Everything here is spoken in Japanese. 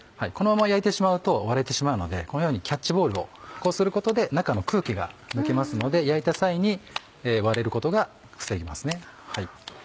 このまま焼いてしまうと割れてしまうのでこのようにキャッチボールをこうすることで中の空気が抜けますので焼いた際に割れることが防げますね。